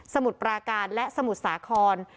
มุดปราการและสมุทรสาคร